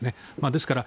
ですから